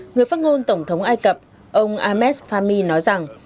người phát ngôn tổng thống ai cập ông ahmed fami nói rằng